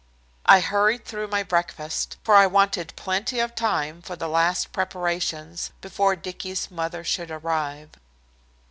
I hurried through my breakfast, for I wanted plenty of time for the last preparations before Dicky's mother should arrive.